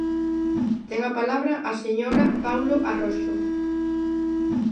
Ten a palabra a señora Paulo Arroxo.